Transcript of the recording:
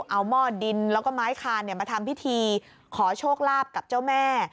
เอาหม้อดินแล้วก็ไม้คานมาทำพิธีขอโชคลาภกับเจ้าแม่